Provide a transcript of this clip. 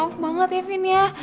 gua minta maaf banget ya vin ya